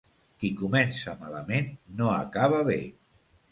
Qui comença malament no acaba bé.